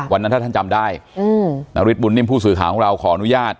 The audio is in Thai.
วันนั้นถ้าท่านจำได้นาริสบุญนิ่มผู้สื่อข่าวของเราขออนุญาต